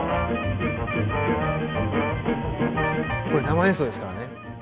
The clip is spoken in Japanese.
これ生演奏ですからね。